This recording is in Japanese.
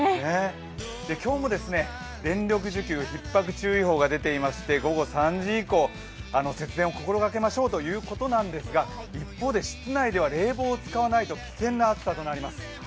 今日も電力需給ひっ迫注意報が出ていまして午後３時以降、節電を心掛けましょうということなんですが一方で室内では冷房を使わないと危険な暑さとなります。